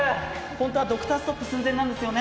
本当はドクターストップ寸前なんですよね。